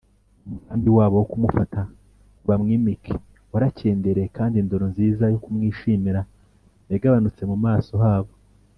umugambi wabo wo kumufata ngo bamwimike warakendereye, kandi indoro nziza yo kumwishimira yagabanutse mu maso habo